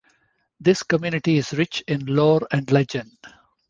This community is rich in lore and legend.